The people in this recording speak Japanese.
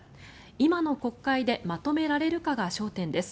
今の国会でまとめられるかが焦点です。